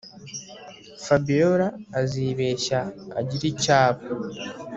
Fabiora azibeshya agire icyo aba